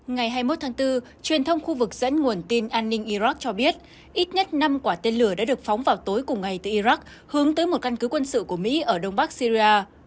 ngày hai mươi một tháng bốn truyền thông khu vực dẫn nguồn tin an ninh iraq cho biết ít nhất năm quả tên lửa đã được phóng vào tối cùng ngày tại iraq hướng tới một căn cứ quân sự của mỹ ở đông bắc syria